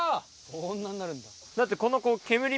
こんなんなるんだ。